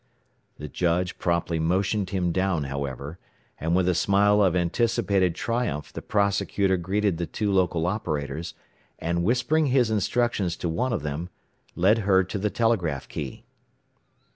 The judge promptly motioned him down, however, and with a smile of anticipated triumph the prosecutor greeted the two local operators, and whispering his instructions to one of them, led her to the telegraph key.